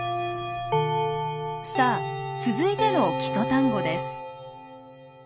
さあ続いての基礎単語です。